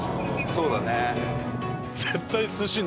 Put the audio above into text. そうだね。